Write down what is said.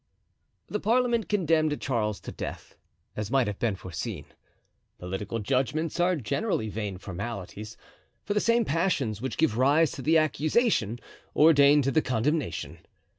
The parliament condemned Charles to death, as might have been foreseen. Political judgments are generally vain formalities, for the same passions which give rise to the accusation ordain to the condemnation.